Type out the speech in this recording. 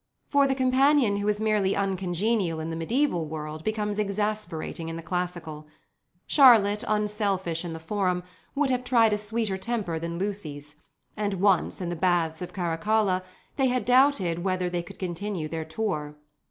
For the companion who is merely uncongenial in the mediaeval world becomes exasperating in the classical. Charlotte, unselfish in the Forum, would have tried a sweeter temper than Lucy's, and once, in the Baths of Caracalla, they had doubted whether they could continue their tour.